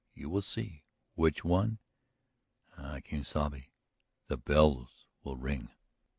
You will see! Which one? Quien sabe! The bells will ring."